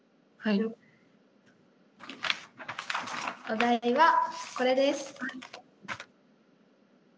お題はこれです。